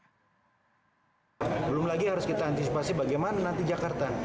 belum lagi harus kita antisipasi bagaimana nanti jakarta